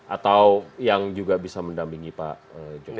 atau yang juga bisa mendampingi pak jokowi